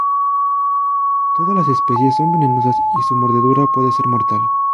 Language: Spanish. Todas las especies son venenosas y su mordedura puede ser mortal.